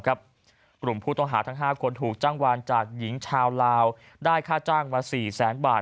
กลุ่มผู้ต้องหาทั้ง๕คนถูกจ้างวานจากหญิงชาวลาวได้ค่าจ้างมา๔แสนบาท